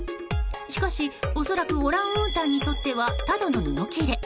しかし恐らくオランウータンにとってはただの布切れ。